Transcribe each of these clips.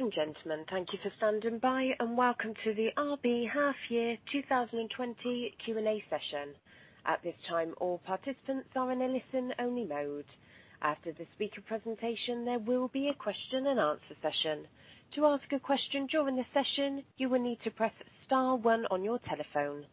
Ladies and gentlemen, thank you for standing by, and welcome to the RB half year 2020 Q&A session. At this time, all participants are in a listen-only mode. After the speaker presentation, there will be a question and answer session. To ask a question during the session, you will need to press star one on your telephone.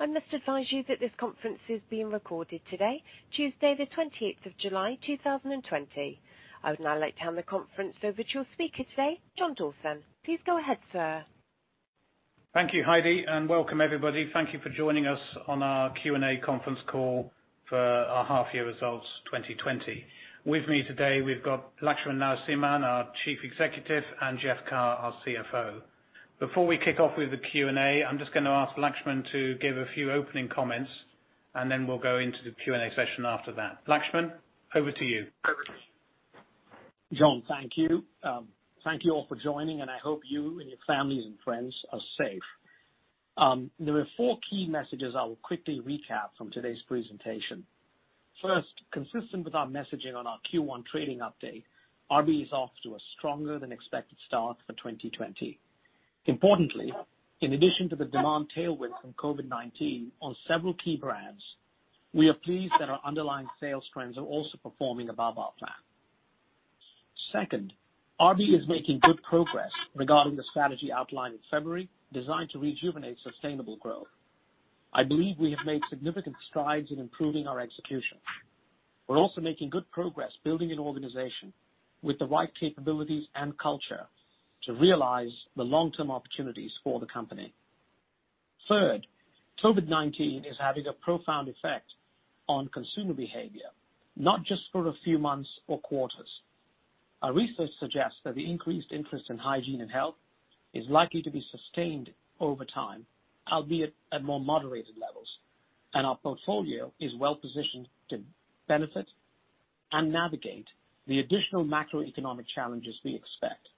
I must advise you that this conference is being recorded today, Tuesday the 20th of July, 2020. I would now like to hand the conference over to your speaker today, John Dawson. Please go ahead, sir. Thank you, Heidi, and welcome everybody. Thank you for joining us on our Q&A conference call for our half year results 2020. With me today, we've got Laxman Narasimhan, our Chief Executive, and Jeff Carr, our CFO. Before we kick off with the Q&A, I'm just going to ask Laxman to give a few opening comments, and then we'll go into the Q&A session after that. Laxman, over to you. John, thank you. Thank you all for joining, and I hope you and your families and friends are safe. There are four key messages I will quickly recap from today's presentation. First, consistent with our messaging on our Q1 trading update, RB is off to a stronger than expected start for 2020. Importantly, in addition to the demand tailwind from COVID-19 on several key brands, we are pleased that our underlying sales trends are also performing above our plan. Second, RB is making good progress regarding the strategy outlined in February designed to rejuvenate sustainable growth. I believe we have made significant strides in improving our execution. We're also making good progress building an organization with the right capabilities and culture to realize the long-term opportunities for the company. Third, COVID-19 is having a profound effect on consumer behavior, not just for a few months or quarters. Our research suggests that the increased interest in Hygiene and Health is likely to be sustained over time, albeit at more moderated levels, and our portfolio is well-positioned to benefit and navigate the additional macroeconomic challenges we expect.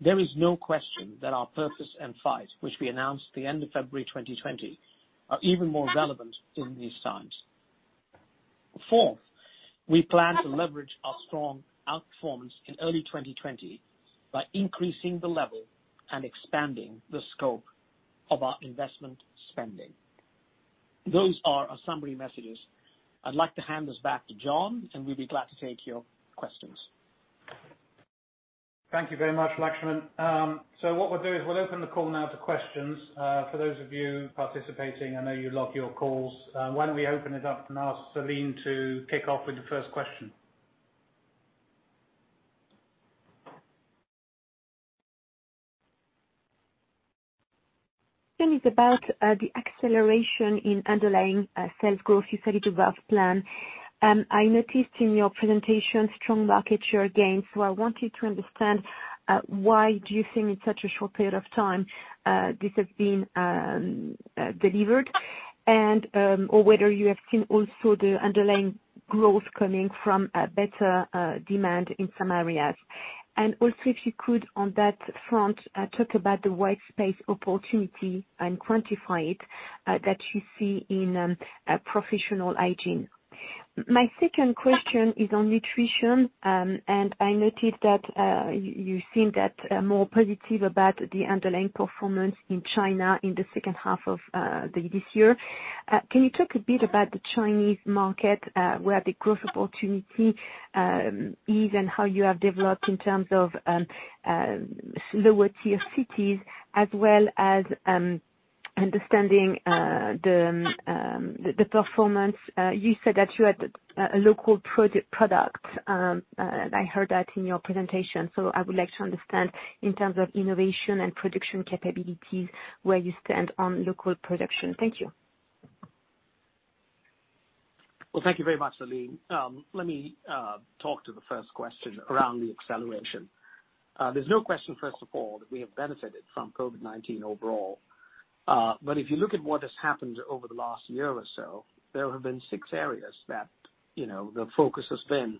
There is no question that our purpose and fight, which we announced at the end of February 2020, are even more relevant in these times. Fourth, we plan to leverage our strong outperformance in early 2020 by increasing the level and expanding the scope of our investment spending. Those are our summary messages. I'd like to hand this back to John, and we'd be glad to take your questions. Thank you very much, Laxman. What we'll do is we'll open the call now to questions. For those of you participating, I know you log your calls. Why don't we open it up and ask Celine to kick off with the first question. Question is about the acceleration in underlying sales growth you said is above plan. I noticed in your presentation strong market share gains. I wanted to understand why do you think in such a short period of time, this has been delivered and, or whether you have seen also the underlying growth coming from better demand in some areas. If you could, on that front, talk about the white space opportunity and quantify it that you see in Professional Hygiene. My second question is on Nutrition, and I noticed that you seem more positive about the underlying performance in China in the second half of this year. Can you talk a bit about the Chinese market, where the growth opportunity is, and how you have developed in terms of lower tier cities as well as understanding the performance. You said that you had a local product. I heard that in your presentation. I would like to understand in terms of innovation and production capabilities, where you stand on local production. Thank you. Well, thank you very much, Celine. Let me talk to the first question around the acceleration. There's no question, first of all, that we have benefited from COVID-19 overall. If you look at what has happened over the last year or so, there have been six areas that the focus has been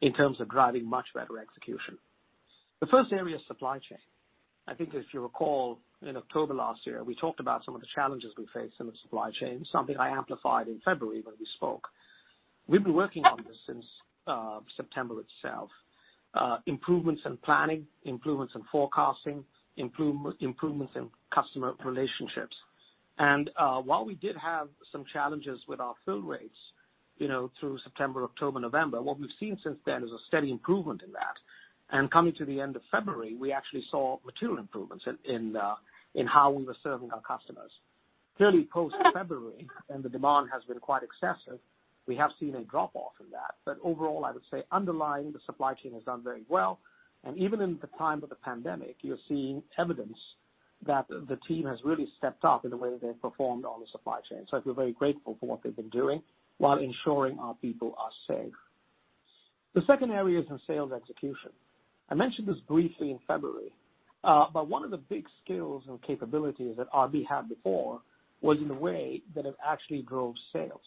in terms of driving much better execution. The first area is supply chain. I think if you recall, in October last year, we talked about some of the challenges we faced in the supply chain, something I amplified in February when we spoke. We've been working on this since September itself. Improvements in planning, improvements in forecasting, improvements in customer relationships. While we did have some challenges with our fill rates through September, October, November, what we've seen since then is a steady improvement in that. Coming to the end of February, we actually saw material improvements in how we were serving our customers. Clearly post-February, and the demand has been quite excessive, we have seen a drop-off in that. Overall, I would say underlying the supply chain has done very well. Even in the time of the pandemic, you're seeing evidence that the team has really stepped up in the way they've performed on the supply chain. I feel very grateful for what they've been doing while ensuring our people are safe. The second area is in sales execution. I mentioned this briefly in February. One of the big skills and capabilities that RB had before was in the way that it actually drove sales.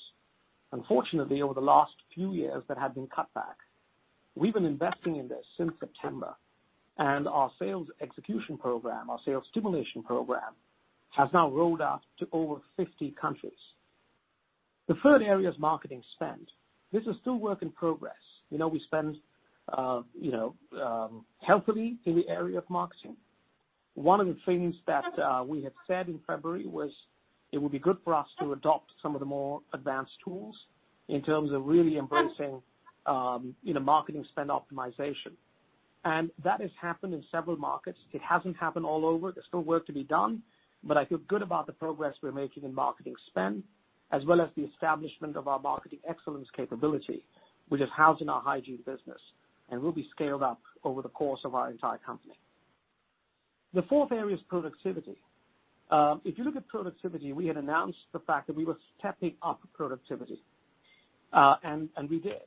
Unfortunately, over the last few years, that had been cut back. We've been investing in this since September, and our sales execution program, our sales stimulation program, has now rolled out to over 50 countries. The third area is marketing spend. This is still work in progress. We spend healthily in the area of marketing. One of the things that we had said in February was it would be good for us to adopt some of the more advanced tools in terms of really embracing marketing spend optimization. That has happened in several markets. It hasn't happened all over. There's still work to be done, but I feel good about the progress we're making in marketing spend, as well as the establishment of our marketing excellence capability, which is housed in our Hygiene Business and will be scaled up over the course of our entire company. The fourth area is productivity. If you look at productivity, we had announced the fact that we were stepping up productivity, and we did.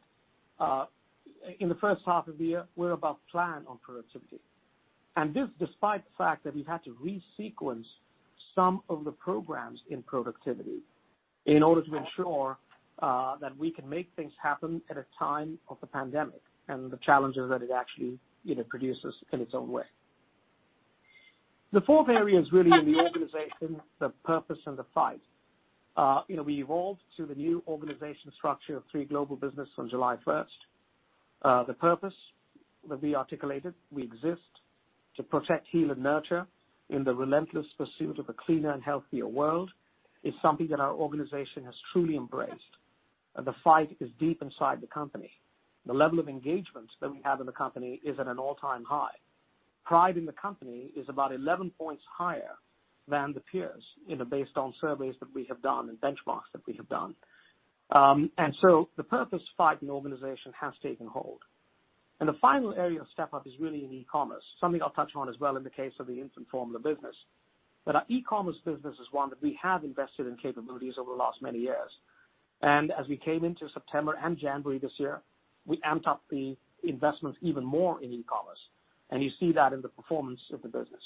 In the first half of the year, we're about plan on productivity. This despite the fact that we've had to resequence some of the programs in productivity in order to ensure that we can make things happen at a time of the pandemic, and the challenges that it actually produces in its own way. The fourth area is really in the organization, the purpose, and the fight. We evolved to the new organization structure of three global business on July 1st. The purpose that we articulated, we exist to protect, heal, and nurture in the relentless pursuit of a cleaner and healthier world, is something that our organization has truly embraced. The fight is deep inside the company. The level of engagement that we have in the company is at an all-time high. Pride in the company is about 11 points higher than the peers based on surveys that we have done and benchmarks that we have done. The purpose fight in the organization has taken hold. The final area of step-up is really in e-commerce, something I'll touch on as well in the case of the infant formula business. But our e-commerce business is one that we have invested in capabilities over the last many years. As we came into September and January this year, we amped up the investment even more in e-commerce, and you see that in the performance of the business.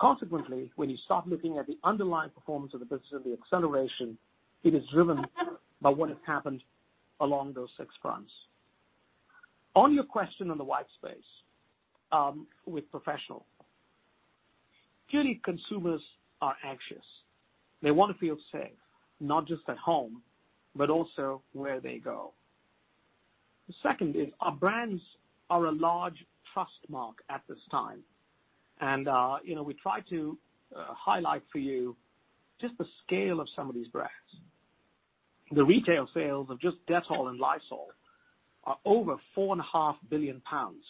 Consequently, when you start looking at the underlying performance of the business and the acceleration, it is driven by what has happened along those six fronts. On your question on the white space with Professional. Clearly, consumers are anxious. They want to feel safe, not just at home, but also where they go. The second is our brands are a large trustmark at this time. We try to highlight for you just the scale of some of these brands. The retail sales of just Dettol and Lysol are over 4.5 billion pounds.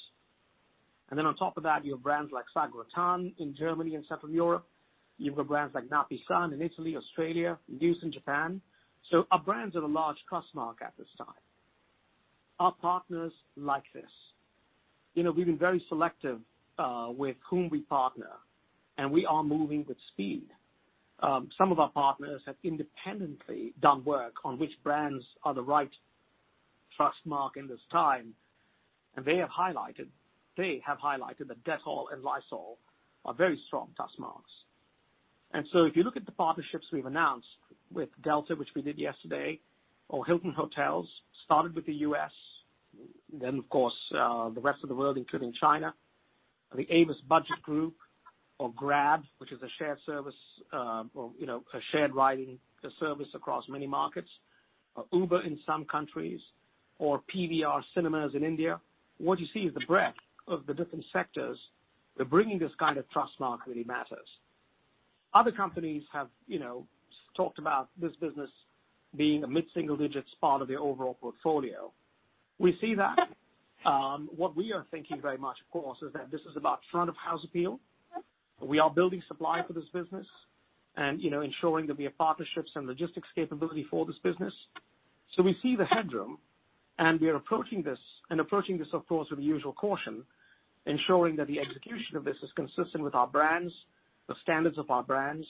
On top of that, you have brands like Sagrotan in Germany and Central Europe. You've got brands like Napisan in Italy, Australia, and Veet in Japan. Our brands are the large trustmark at this time. Our partners like this. We've been very selective with whom we partner, and we are moving with speed. Some of our partners have independently done work on which brands are the right trustmark in this time. They have highlighted that Dettol and Lysol are very strong trustmarks. If you look at the partnerships we've announced with Delta, which we did yesterday, or Hilton Hotels, started with the U.S., then of course, the rest of the world, including China, the Avis Budget Group or Grab, which is a shared service or a shared riding service across many markets, or Uber in some countries or PVR Cinemas in India. What you see is the breadth of the different sectors that bringing this kind of trustmark really matters. Other companies have talked about this business being a mid-single digits part of their overall portfolio. We see that. What we are thinking very much, of course, is that this is about front-of-house appeal. We are building supply for this business and ensuring that we have partnerships and logistics capability for this business. We see the headroom, and we are approaching this, of course, with usual caution, ensuring that the execution of this is consistent with our brands, the standards of our brands,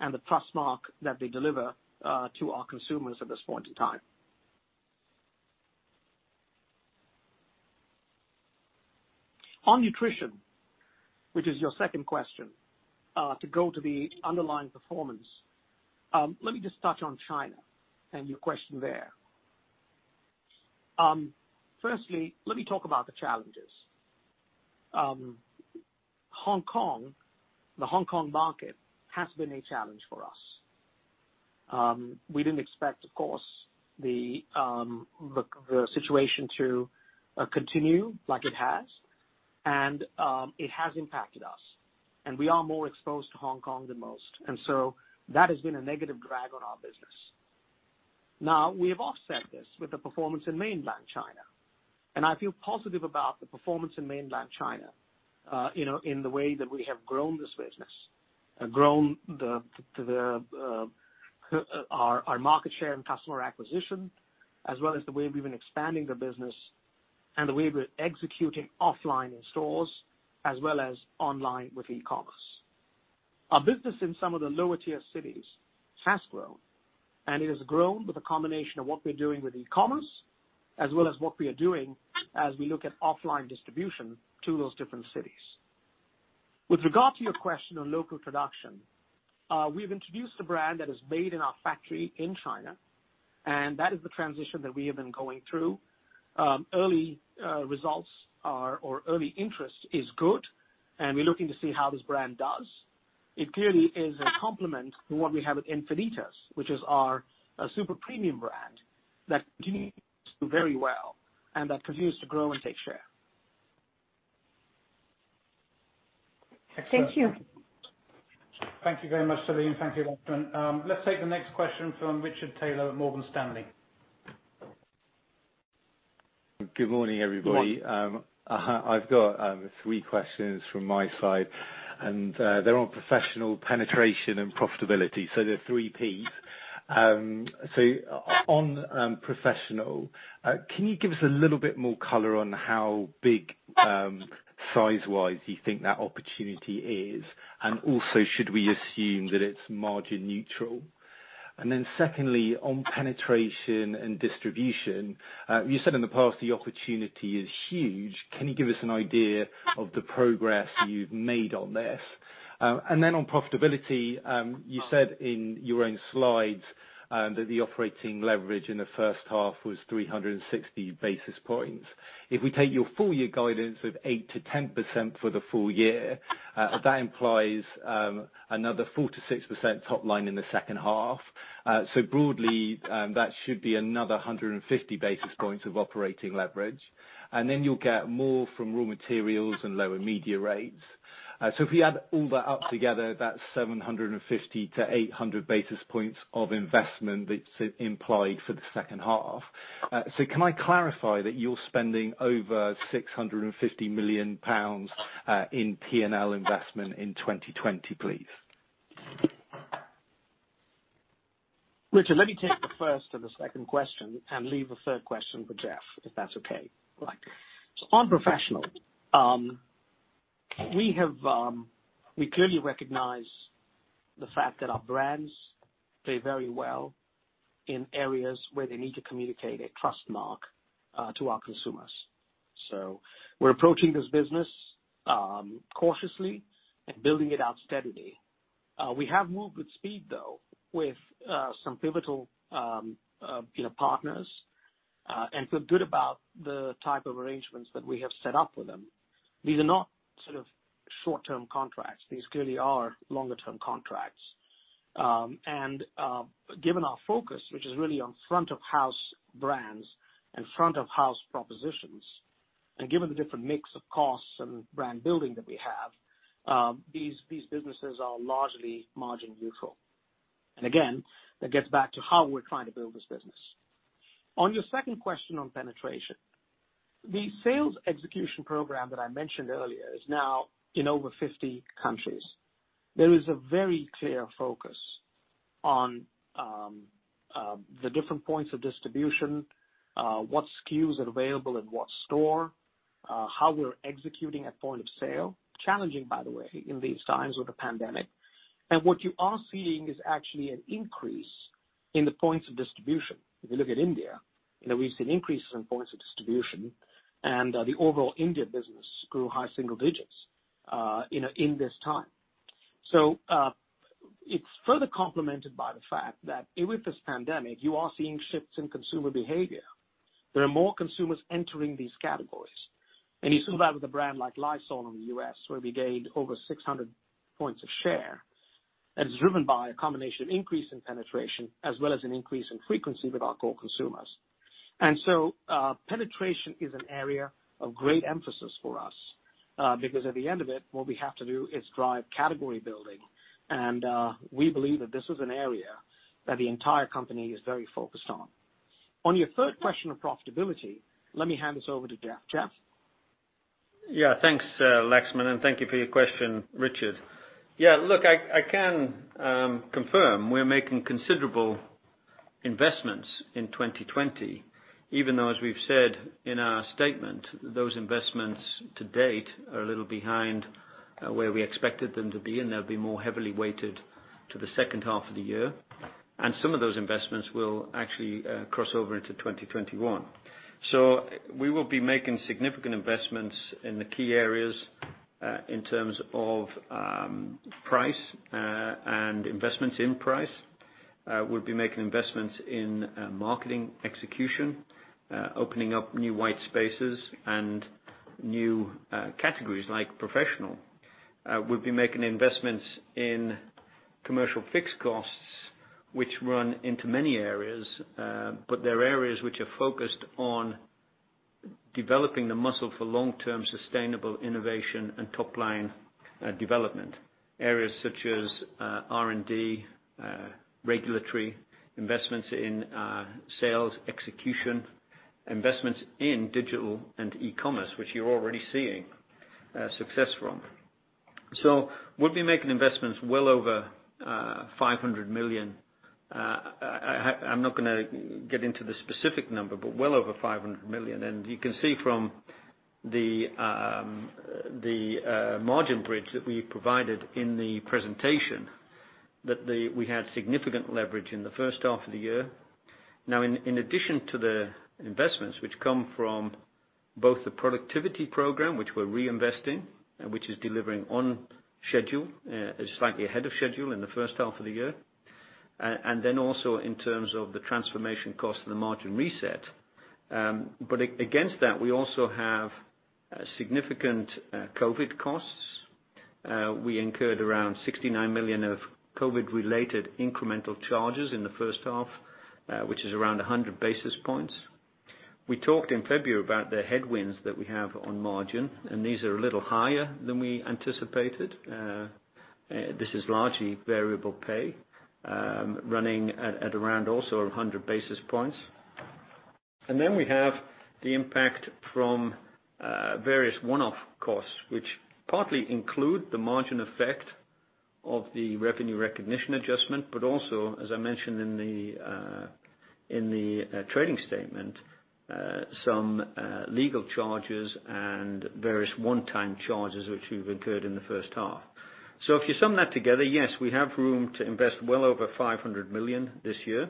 and the trustmark that they deliver to our consumers at this point in time. On Nutrition, which is your second question, to go to the underlying performance. Let me just touch on China and your question there. Firstly, let me talk about the challenges. Hong Kong, the Hong Kong market has been a challenge for us. We didn't expect, of course, the situation to continue like it has, and it has impacted us, and we are more exposed to Hong Kong than most. That has been a negative drag on our business. We have offset this with the performance in mainland China, and I feel positive about the performance in mainland China, in the way that we have grown this business, grown our market share and customer acquisition, as well as the way we've been expanding the business and the way we're executing offline in stores as well as online with e-commerce. Our business in some of the lower-tier cities has grown, and it has grown with a combination of what we're doing with e-commerce as well as what we are doing as we look at offline distribution to those different cities. With regard to your question on local production, we've introduced a brand that is made in our factory in China, and that is the transition that we have been going through. Early results are or early interest is good, and we're looking to see how this brand does. It clearly is a complement to what we have at Enfinitas, which is our super-premium brand that continues to do very well and that continues to grow and take share. Thank you. Thank you very much, Celine. Thank you, Laxman. Let's take the next question from Richard Taylor at Morgan Stanley. Good morning, everybody. Good morning. I've got three questions from my side. They're on Professional penetration and profitability. They're three Ps. On Professional, can you give us a little bit more color on how big, size-wise, you think that opportunity is? Also, should we assume that it's margin neutral? Secondly, on penetration and distribution, you said in the past the opportunity is huge. Can you give us an idea of the progress you've made on this? On profitability, you said in your own slides that the operating leverage in the first half was 360 basis points. If we take your full year guidance of 8%-10% for the full year, that implies another 4%-6% top line in the second half. Broadly, that should be another 150 basis points of operating leverage. You'll get more from raw materials and lower media rates. If you add all that up together, that's 750-800 basis points of investment that's implied for the second half. Can I clarify that you're spending over 650 million pounds in P&L investment in 2020, please? Richard, let me take the first and the second question and leave the third question for Jeff, if that's okay. Right. On Professional, we clearly recognize the fact that our brands play very well in areas where they need to communicate a trustmark to our consumers. We're approaching this business cautiously and building it out steadily. We have moved with speed, though, with some pivotal partners, and feel good about the type of arrangements that we have set up with them. These are not short-term contracts. These clearly are longer-term contracts. Given our focus, which is really on front-of-house brands and front-of-house propositions, and given the different mix of costs and brand building that we have, these businesses are largely margin-neutral. Again, that gets back to how we're trying to build this business. On your second question on penetration, the sales execution program that I mentioned earlier is now in over 50 countries. There is a very clear focus on the different points of distribution, what SKUs are available in what store, how we're executing at point of sale, challenging, by the way, in these times with the pandemic. What you are seeing is actually an increase in the points of distribution. If you look at India, we've seen increases in points of distribution and the overall India business grew high single digits in this time. It's further complemented by the fact that with this pandemic, you are seeing shifts in consumer behavior. There are more consumers entering these categories. You saw that with a brand like Lysol in the U.S., where we gained over 600 points of share. That is driven by a combination of increase in penetration as well as an increase in frequency with our core consumers. Penetration is an area of great emphasis for us, because at the end of it, what we have to do is drive category building. We believe that this is an area that the entire company is very focused on. On your third question of profitability, let me hand this over to Jeff. Jeff? Thanks, Laxman, and thank you for your question, Richard. I can confirm we're making considerable investments in 2020, even though, as we've said in our statement, those investments to date are a little behind where we expected them to be, and they'll be more heavily weighted to the second half of the year, and some of those investments will actually cross over into 2021. We will be making significant investments in the key areas, in terms of price and investments in price. We'll be making investments in marketing execution, opening up new white spaces and new categories like Professional. We'll be making investments in commercial fixed costs, which run into many areas, but they're areas which are focused on developing the muscle for long-term sustainable innovation and top-line development. Areas such as R&D, regulatory, investments in sales execution, investments in digital and e-commerce, which you're already seeing success from. We'll be making investments well over 500 million. I'm not going to get into the specific number, but well over 500 million. You can see from the margin bridge that we provided in the presentation that we had significant leverage in the first half of the year. In addition to the investments which come from both the productivity program, which we're reinvesting and which is delivering on schedule, slightly ahead of schedule in the first half of the year. Also in terms of the transformation cost and the margin reset. Against that, we also have significant COVID costs. We incurred around 69 million of COVID-related incremental charges in the first half, which is around 100 basis points. We talked in February about the headwinds that we have on margin. These are a little higher than we anticipated. This is largely variable pay, running at around also 100 basis points. We have the impact from various one-off costs, which partly include the margin effect of the revenue recognition adjustment, but also, as I mentioned in the trading statement, some legal charges and various one-time charges, which we've incurred in the first half. If you sum that together, yes, we have room to invest well over 500 million this year.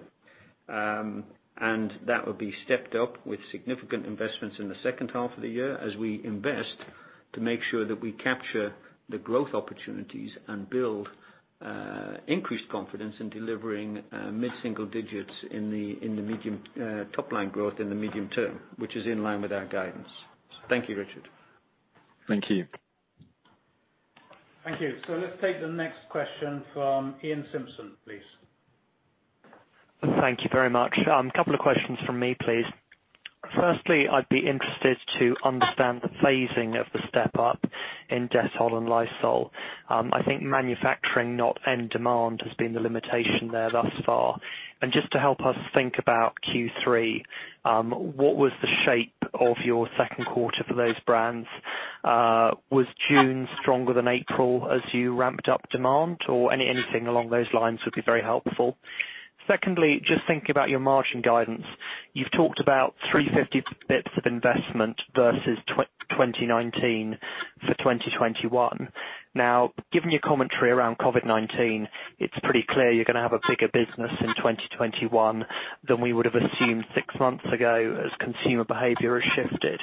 That will be stepped up with significant investments in the second half of the year as we invest to make sure that we capture the growth opportunities and build increased confidence in delivering mid-single digits in the top-line growth in the medium term, which is in line with our guidance. Thank you, Richard. Thank you. Thank you. Let's take the next question from Iain Simpson, please. Thank you very much. A couple of questions from me, please. Firstly, I'd be interested to understand the phasing of the step-up in Dettol and Lysol. I think manufacturing, not end demand, has been the limitation there thus far. Just to help us think about Q3, what was the shape of your second quarter for those brands? Was June stronger than April as you ramped up demand? Anything along those lines would be very helpful. Secondly, just thinking about your margin guidance. You've talked about 350 basis points of investment versus 2019 for 2021. Now, given your commentary around COVID-19, it's pretty clear you're going to have a bigger business in 2021 than we would have assumed six months ago as consumer behavior has shifted.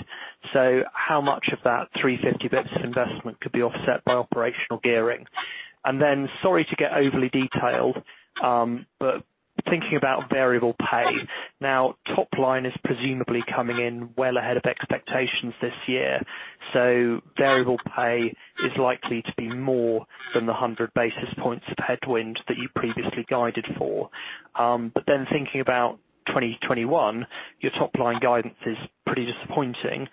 How much of that 350 basis points investment could be offset by operational gearing? Sorry to get overly detailed, but thinking about variable pay. Top line is presumably coming in well ahead of expectations this year. Variable pay is likely to be more than the 100 basis points of headwind that you previously guided for. Thinking about 2021, your top-line guidance is pretty disappointing.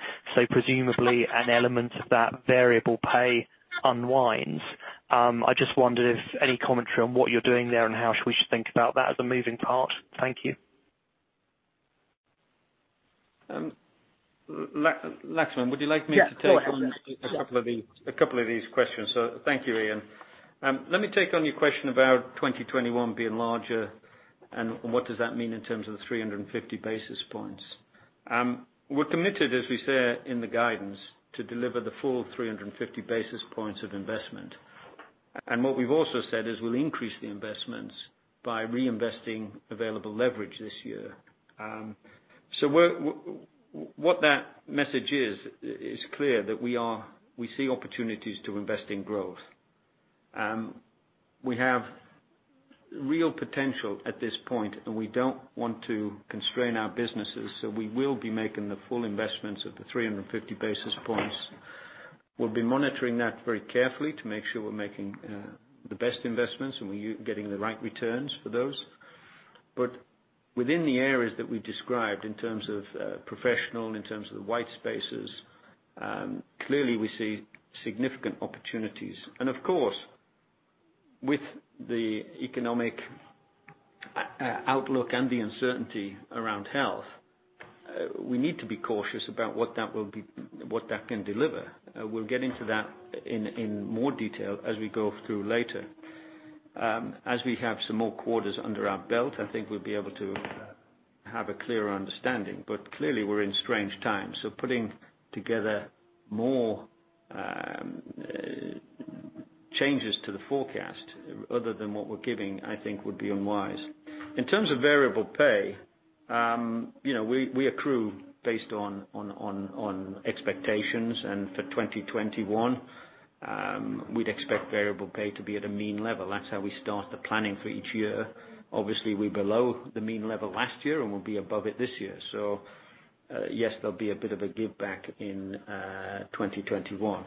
Presumably, an element of that variable pay unwinds. I just wondered if any commentary on what you're doing there and how should we think about that as a moving part? Thank you. Laxman, would you like me to take- Yeah, go ahead, Jeff. On a couple of these questions? Thank you, Iain. Let me take on your question about 2021 being larger and what does that mean in terms of the 350 basis points. We're committed, as we say in the guidance, to deliver the full 350 basis points of investment. What we've also said is we'll increase the investments by reinvesting available leverage this year. What that message is clear that we see opportunities to invest in growth. We have real potential at this point, and we don't want to constrain our businesses. We will be making the full investments of the 350 basis points. We'll be monitoring that very carefully to make sure we're making the best investments and we're getting the right returns for those. Within the areas that we described in terms of Professional, in terms of the white spaces, clearly we see significant opportunities. Of course, with the economic outlook and the uncertainty around health, we need to be cautious about what that can deliver. We'll get into that in more detail as we go through later. As we have some more quarters under our belt, I think we'll be able to have a clearer understanding. Clearly, we're in strange times. Putting together more changes to the forecast other than what we're giving, I think would be unwise. In terms of variable pay, we accrue based on expectations. For 2021, we'd expect variable pay to be at a mean level. That's how we start the planning for each year. Obviously, we're below the mean level last year, and we'll be above it this year. Yes, there'll be a bit of a giveback in 2021.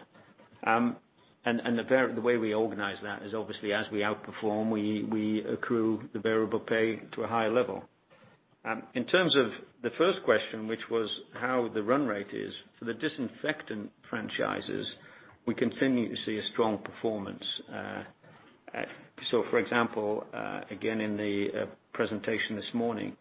The way we organize that is obviously as we outperform, we accrue the variable pay to a higher level. In terms of the first question, which was how the run rate is for the disinfectant franchises, we continue to see a strong performance. For example, again, in the presentation this morning,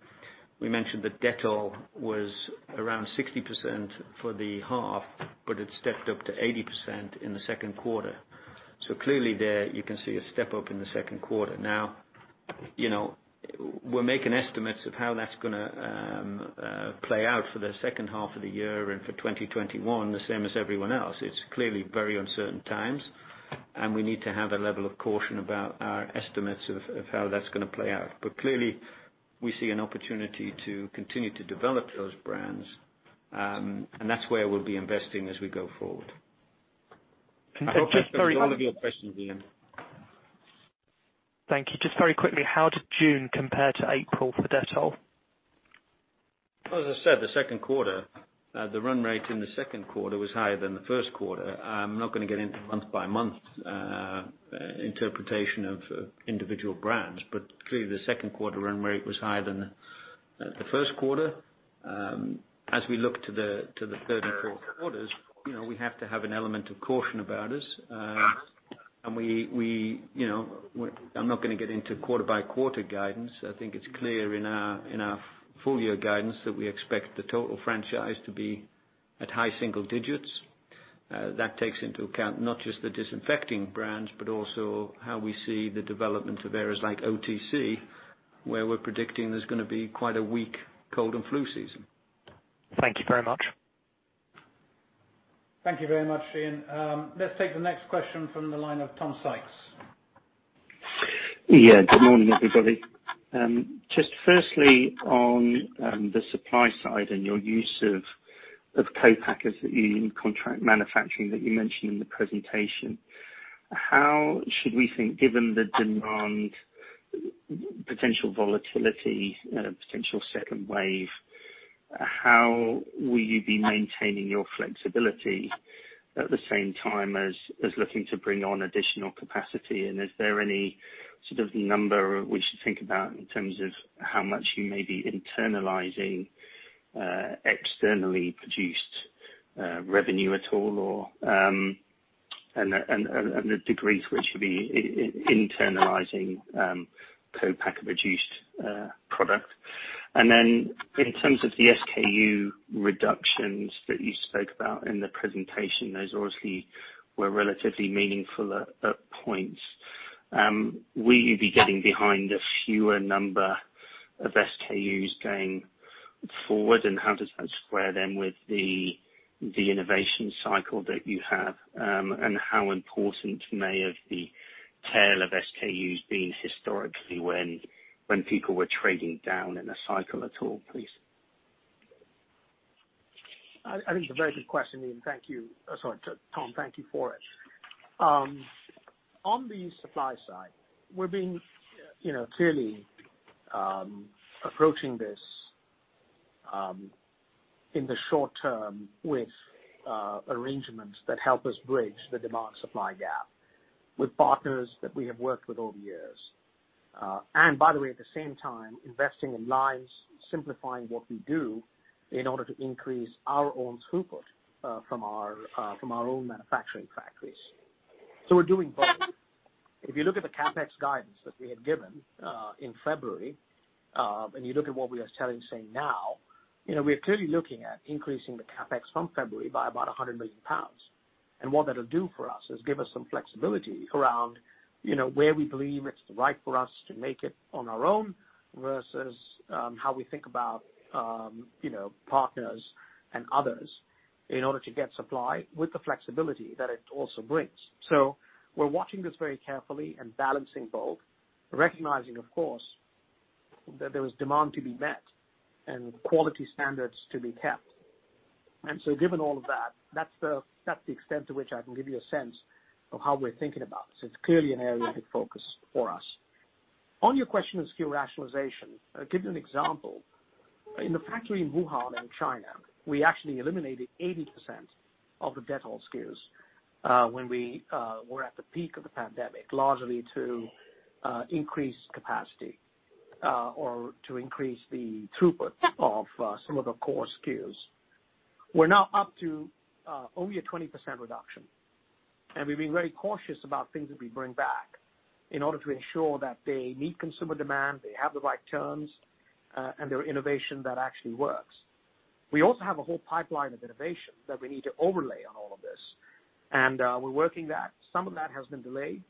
we mentioned that Dettol was around 60% for the half, but it stepped up to 80% in the second quarter. Clearly there you can see a step-up in the second quarter. We're making estimates of how that's going to play out for the second half of the year and for 2021, the same as everyone else. It's clearly very uncertain times, and we need to have a level of caution about our estimates of how that's going to play out. Clearly, we see an opportunity to continue to develop those brands, and that's where we'll be investing as we go forward. I hope I answered all of your questions, Iain. Thank you. Just very quickly, how did June compare to April for Dettol? As I said, the second quarter, the run rate in the second quarter was higher than the first quarter. I'm not going to get into month-by-month interpretation of individual brands, but clearly the second quarter run rate was higher than the first quarter. As we look to the third and fourth quarters, we have to have an element of caution about us. I'm not going to get into quarter-by-quarter guidance. I think it's clear in our full-year guidance that we expect the total franchise to be at high-single-digits. That takes into account not just the disinfecting brands, but also how we see the development of areas like OTC, where we're predicting there's going to be quite a weak cold and flu season. Thank you very much. Thank you very much, Iain. Let's take the next question from the line of Tom Sykes. Yeah. Good morning, everybody. Just firstly, on the supply side and your use of co-packers in contract manufacturing that you mentioned in the presentation. How should we think, given the demand potential volatility, potential second wave, how will you be maintaining your flexibility at the same time as looking to bring on additional capacity? Is there any sort of number we should think about in terms of how much you may be internalizing externally produced revenue at all, or the degree to which you'll be internalizing co-packer-produced product? In terms of the SKU reductions that you spoke about in the presentation, those obviously were relatively meaningful at points. Will you be getting behind a fewer number of SKUs going forward? How does that square then with the innovation cycle that you have? How important may have the tail of SKUs been historically when people were trading down in a cycle at all, please? I think it's a very good question, Iain. Thank you. Sorry, Tom, thank you for it. On the supply side, we're being clearly approaching this in the short term with arrangements that help us bridge the demand-supply gap with partners that we have worked with over the years. By the way, at the same time, investing in lines, simplifying what we do in order to increase our own throughput from our own manufacturing factories. We're doing both. If you look at the CapEx guidance that we had given in February, and you look at what we are saying now, we are clearly looking at increasing the CapEx from February by about 100 million pounds. What that'll do for us is give us some flexibility around where we believe it's right for us to make it on our own versus how we think about partners and others in order to get supply with the flexibility that it also brings. We're watching this very carefully and balancing both, recognizing, of course, that there is demand to be met and quality standards to be kept. Given all of that's the extent to which I can give you a sense of how we're thinking about this. It's clearly an area of focus for us. On your question of SKU rationalization, I'll give you an example. In the factory in Wuhan, in China, we actually eliminated 80% of the Dettol SKUs when we were at the peak of the pandemic, largely to increase capacity or to increase the throughput of some of the core SKUs. We're now up to only a 20% reduction, and we've been very cautious about things that we bring back in order to ensure that they meet consumer demand, they have the right terms, and they're innovation that actually works. We also have a whole pipeline of innovation that we need to overlay on all of this, and we're working that. Some of that has been delayed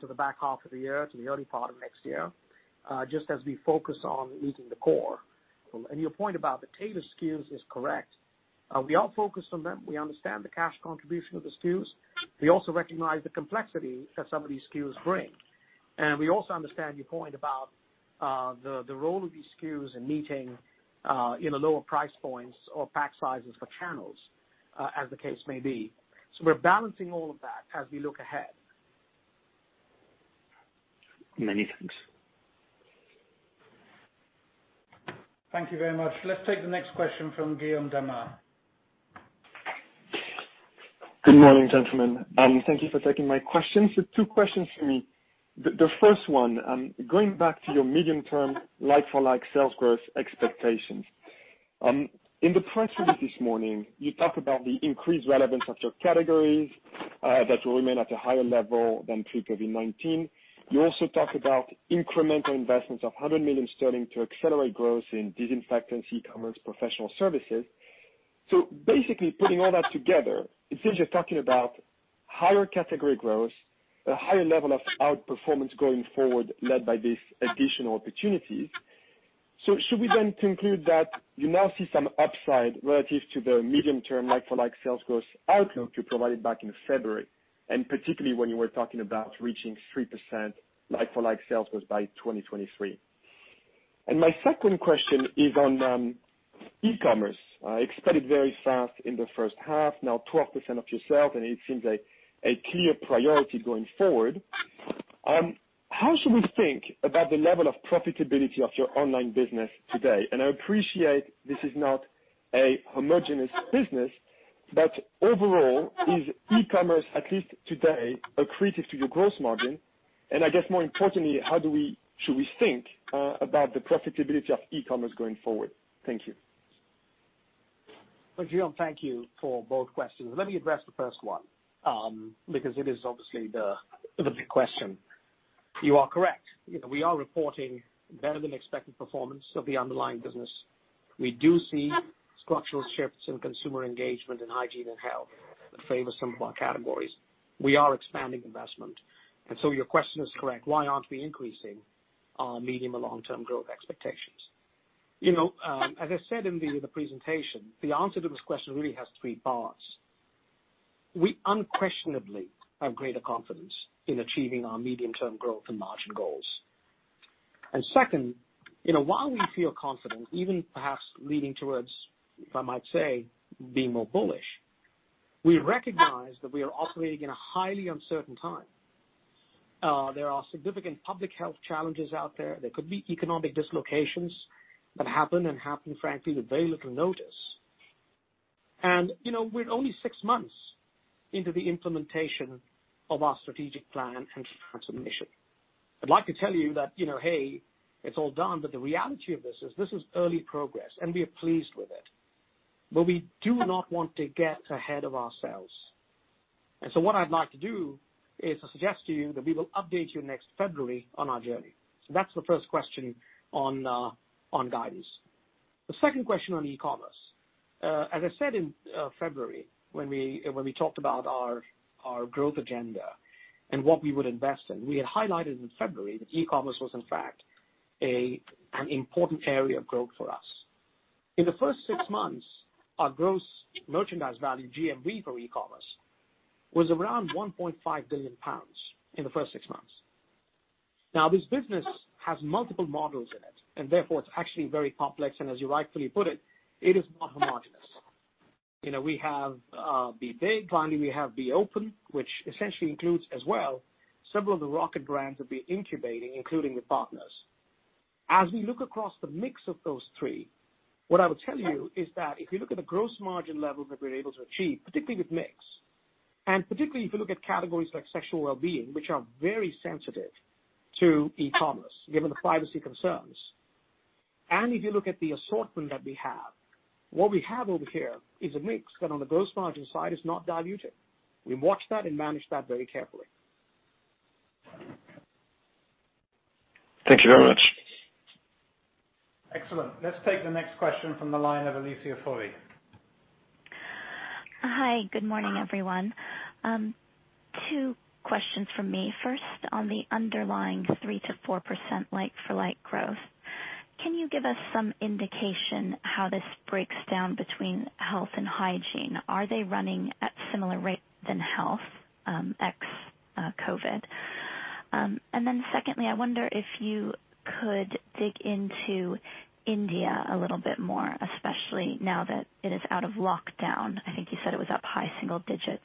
to the back half of the year to the early part of next year, just as we focus on meeting the core. Your point about the tail of SKUs is correct. We are focused on them. We understand the cash contribution of the SKUs. We also recognize the complexity that some of these SKUs bring. We also understand your point about the role of these SKUs in meeting lower price points or pack sizes for channels, as the case may be. We're balancing all of that as we look ahead. Many thanks. Thank you very much. Let's take the next question from Guillaume Delmas. Good morning, gentlemen. Thank you for taking my questions. Two questions from me. The first one, going back to your medium-term like-for-like sales growth expectations. In the press release this morning, you talk about the increased relevance of your categories that will remain at a higher level than pre-COVID-19. You also talk about incremental investments of 100 million sterling to accelerate growth in disinfectants, e-commerce, Professional services. Basically, putting all that together, it seems you're talking about higher category growth, a higher level of outperformance going forward led by these additional opportunities. Should we then conclude that you now see some upside relative to the medium-term like-for-like sales growth outlook you provided back in February, and particularly when you were talking about reaching 3% like-for-like sales growth by 2023? My second question is on e-commerce. It expanded very fast in the first half, now 12% of your sales, and it seems a clear priority going forward. How should we think about the level of profitability of your online business today? I appreciate this is not a homogenous business, but overall, is e-commerce, at least today, accretive to your gross margin? I guess more importantly, how should we think about the profitability of e-commerce going forward? Thank you. Well, Guillaume, thank you for both questions. Let me address the first one, because it is obviously the big question. You are correct. We are reporting better than expected performance of the underlying business. We do see structural shifts in consumer engagement in Hygiene and Health that favor some of our categories. We are expanding investment. Your question is correct. Why aren't we increasing our medium- and long-term growth expectations? As I said in the presentation, the answer to this question really has three parts. We unquestionably have greater confidence in achieving our medium-term growth and margin goals. Second, while we feel confident, even perhaps leading towards, if I might say, being more bullish, we recognize that we are operating in a highly uncertain time. There are significant public health challenges out there. There could be economic dislocations that happen, frankly, with very little notice. We're only six months into the implementation of our strategic plan and transformation. I'd like to tell you that, "Hey, it's all done," but the reality of this is this is early progress, and we are pleased with it. We do not want to get ahead of ourselves. What I'd like to do is to suggest to you that we will update you next February on our journey. That's the first question on guidance. The second question on e-commerce. As I said in February, when we talked about our growth agenda and what we would invest in, we had highlighted in February that e-commerce was in fact an important area of growth for us. In the first six months, our gross merchandise value, GMV, for e-commerce was around 1.5 billion pounds in the first six months. This business has multiple models in it, therefore it's actually very complex, as you rightfully put it is not homogenous. We have B2B. We have eRB, which essentially includes as well several of the rocket brands that we're incubating, including with partners. We look across the mix of those three, what I would tell you is that if you look at the gross margin level that we're able to achieve, particularly with mix, particularly if you look at categories like Sexual Wellbeing, which are very sensitive to e-commerce, given the privacy concerns. If you look at the assortment that we have, what we have over here is a mix that on the gross margin side is not diluted. We watch that and manage that very carefully. Thank you very much. Excellent. Let's take the next question from the line of Alicia Forry. Hi. Good morning, everyone. Two questions from me. First, on the underlying 3%-4% like-for-like growth, can you give us some indication how this breaks down between Health and Hygiene? Are they running at similar rates than Health, ex-COVID? Secondly, I wonder if you could dig into India a little bit more, especially now that it is out of lockdown. I think you said it was up high single digits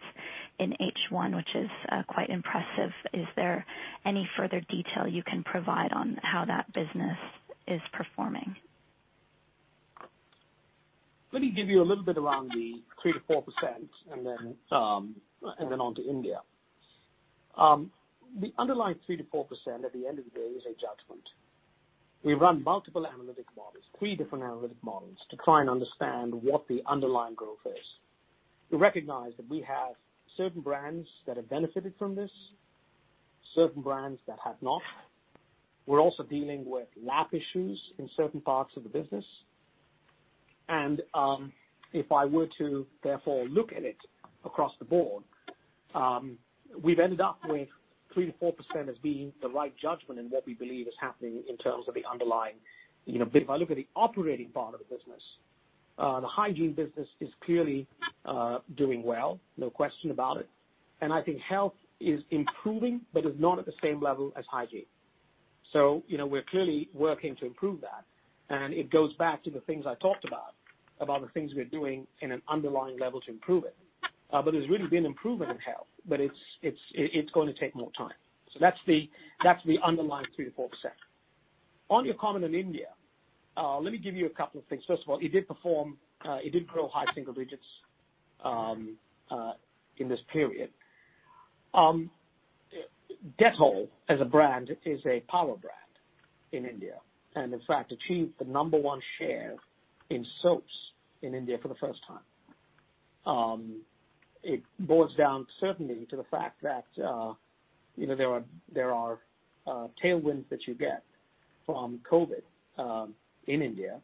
in H1, which is quite impressive. Is there any further detail you can provide on how that business is performing? Let me give you a little bit around the 3%-4%, and then on to India. The underlying 3%-4% at the end of the day is a judgment. We run multiple analytic models, three different analytic models, to try and understand what the underlying growth is. We recognize that we have certain brands that have benefited from this, certain brands that have not. We are also dealing with lap issues in certain parts of the business. If I were to therefore look at it across the board, we have ended up with 3%-4% as being the right judgment in what we believe is happening in terms of the underlying. If I look at the operating part of the business, the Hygiene business is clearly doing well, no question about it. I think Health is improving, but is not at the same level as Hygiene. We're clearly working to improve that, and it goes back to the things I talked about the things we're doing in an underlying level to improve it. There's really been improvement in Health, but it's going to take more time. That's the underlying 3%-4%. On your comment on India, let me give you a couple of things. First of all, it did grow high single digits in this period. Dettol, as a brand, is a power brand in India, and in fact, achieved the number one share in soaps in India for the first time. It boils down certainly to the fact that there are tailwinds that you get from COVID in India,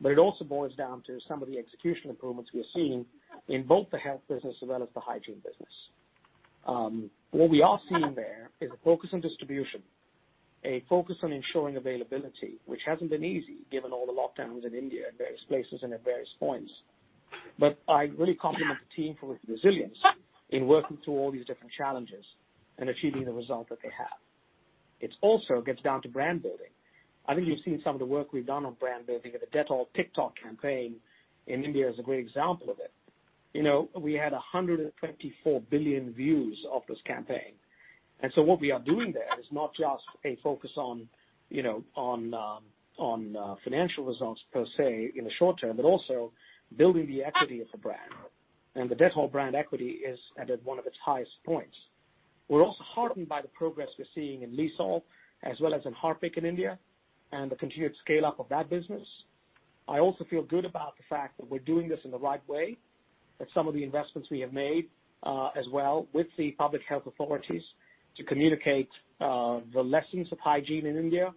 but it also boils down to some of the execution improvements we are seeing in both the Health business as well as the Hygiene business. What we are seeing there is a focus on distribution, a focus on ensuring availability, which hasn't been easy given all the lockdowns in India at various places and at various points. I really compliment the team for its resilience in working through all these different challenges and achieving the result that they have. It also gets down to brand building. I think you've seen some of the work we've done on brand building, the Dettol TikTok campaign in India is a great example of it. We had 124 billion views of this campaign. What we are doing there is not just a focus on financial results per se in the short term, but also building the equity of the brand. The Dettol brand equity is at one of its highest points. We're also heartened by the progress we're seeing in Lysol, as well as in Harpic in India, and the continued scale-up of that business. I also feel good about the fact that we're doing this in the right way, that some of the investments we have made, as well, with the public health authorities to communicate the lessons of hygiene in India,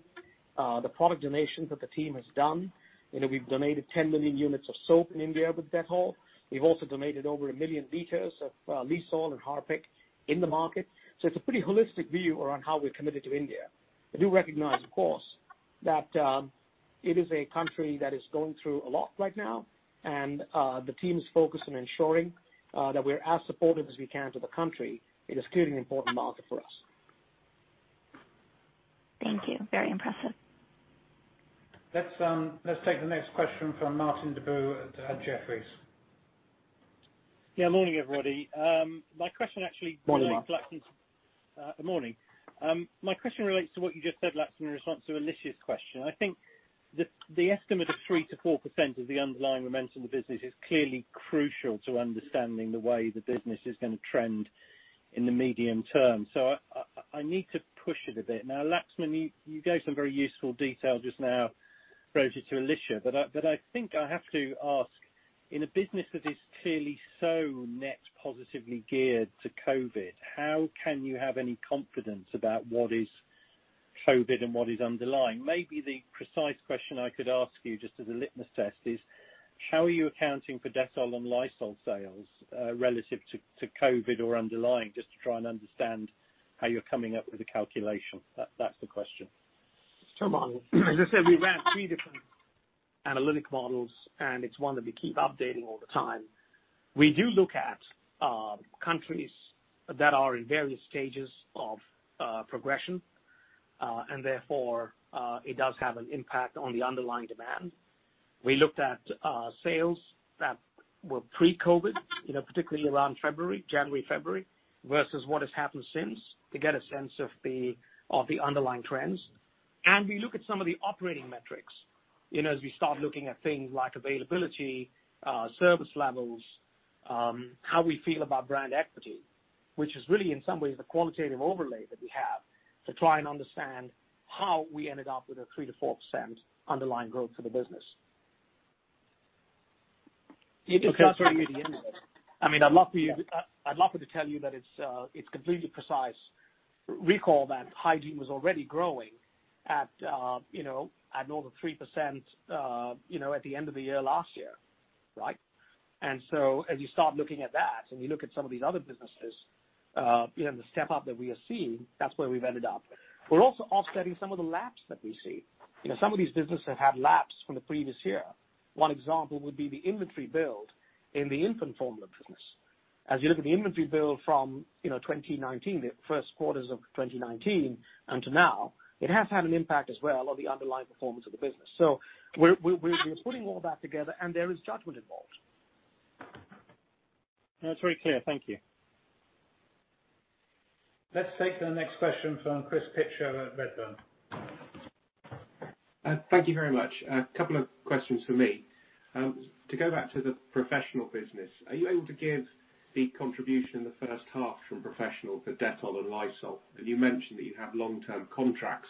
the product donations that the team has done. We've donated 10 million units of soap in India with Dettol. We've also donated over a million liters of Lysol and Harpic in the market. It's a pretty holistic view around how we're committed to India. I do recognize, of course, that it is a country that is going through a lot right now, and the team is focused on ensuring that we're as supportive as we can to the country. It is clearly an important market for us. Thank you. Very impressive. Let's take the next question from Martin Deboo at Jefferies. Yeah, morning, everybody. My question actually- Morning, Martin. Morning. My question relates to what you just said, Laxman, in response to Alicia's question. I think the estimate of 3%-4% of the underlying momentum of the business is clearly crucial to understanding the way the business is going to trend in the medium term. I need to push it a bit. Laxman, you gave some very useful detail just now, broadly, to Alicia, but I think I have to ask, in a business that is clearly so net positively geared to COVID, how can you have any confidence about what is COVID and what is underlying? Maybe the precise question I could ask you, just as a litmus test, is how are you accounting for Dettol and Lysol sales relative to COVID or underlying, just to try and understand how you're coming up with a calculation. That's the question. Martin, as I said, we ran three different analytic models, and it's one that we keep updating all the time. We do look at countries that are in various stages of progression, and therefore, it does have an impact on the underlying demand. We looked at sales that were pre-COVID, particularly around February, January, February, versus what has happened since to get a sense of the underlying trends. We look at some of the operating metrics as we start looking at things like availability, service levels, how we feel about brand equity, which is really, in some ways, the qualitative overlay that we have to try to understand how we ended up with a 3%-4% underlying growth for the business. Okay. It's not going to be the end of it. I'd love for you to tell you that it's completely precise. Recall that Hygiene was already growing at north of 3% at the end of the year last year, right? As you start looking at that and you look at some of these other businesses, and the step-up that we are seeing, that's where we've ended up. We're also offsetting some of the laps that we see. Some of these businesses have had laps from the previous year. One example would be the inventory build in the infant formula business. As you look at the inventory build from 2019, the first quarters of 2019, until now, it has had an impact as well on the underlying performance of the business. We're putting all that together, and there is judgment involved. No, it's very clear. Thank you. Let's take the next question from Chris Pitcher at Redburn. Thank you very much. A couple of questions from me. To go back to the Professional business, are you able to give the contribution in the first half from Professional for Dettol and Lysol? You mentioned that you have long-term contracts.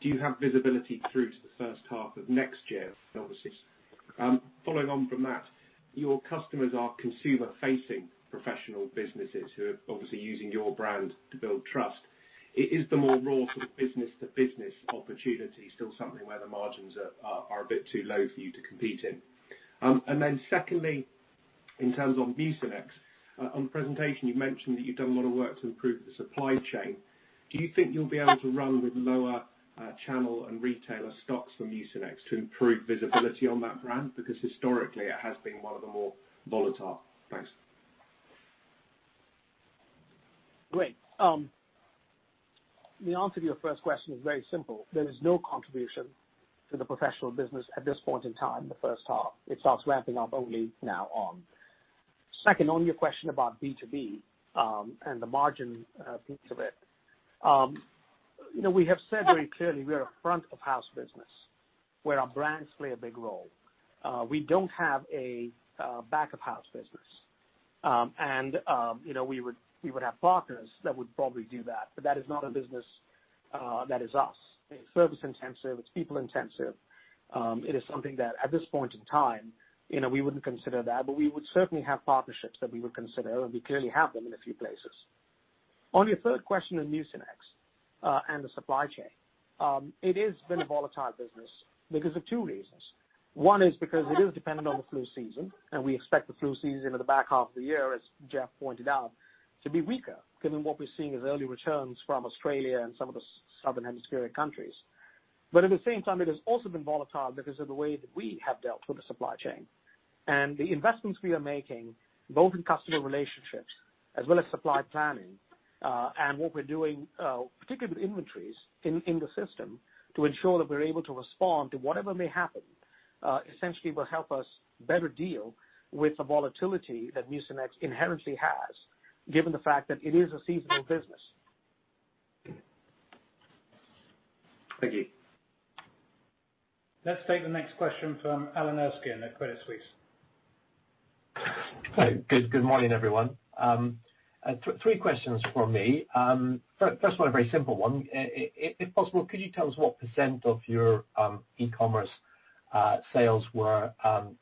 Do you have visibility through to the first half of next year, obviously? Following on from that, your customers are consumer-facing Professional businesses who are obviously using your brand to build trust. Is the more raw business-to-business opportunity still something where the margins are a bit too low for you to compete in? Secondly, in terms of Mucinex, on the presentation, you mentioned that you've done a lot of work to improve the supply chain. Do you think you'll be able to run with lower channel and retailer stocks for Mucinex to improve visibility on that brand? Because historically, it has been one of the more volatile. Thanks. Great. The answer to your first question is very simple. There is no contribution to the Professional business at this point in time, the first half. It starts ramping up only now on. Second, on your question about B2B, and the margin piece of it. We have said very clearly we are a front-of-house business where our brands play a big role. We don't have a back-of-house business. We would have partners that would probably do that, but that is not a business that is us. It's service-intensive, it's people-intensive. It is something that, at this point in time, we wouldn't consider that, but we would certainly have partnerships that we would consider, and we clearly have them in a few places. On your third question on Mucinex and the supply chain. It has been a volatile business because of two reasons. One is because it is dependent on the flu season, and we expect the flu season in the back half of the year, as Jeff pointed out, to be weaker given what we're seeing as early returns from Australia and some of the Southern Hemisphere countries. At the same time, it has also been volatile because of the way that we have dealt with the supply chain. The investments we are making, both in customer relationships as well as supply planning, and what we're doing, particularly with inventories in the system, to ensure that we're able to respond to whatever may happen, essentially will help us better deal with the volatility that Mucinex inherently has, given the fact that it is a seasonal business. Thank you. Let's take the next question from Alan Erskine at Credit Suisse. Hi. Good morning, everyone. Three questions from me. First one, a very simple one. If possible, could you tell us what percent of your e-commerce sales were